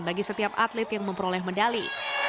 bagi setiap atlet yang memperoleh medali